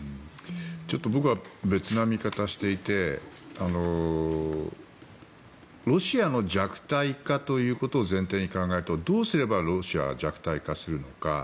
僕は別な見方をしていてロシアの弱体化ということを前提に考えるとどうすればロシアは弱体化するのか。